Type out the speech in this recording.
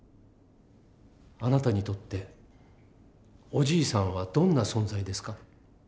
あなたにとっておじいさんはどんな存在ですか？